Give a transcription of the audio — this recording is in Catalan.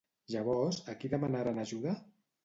Llavors, a qui demanaren ajuda?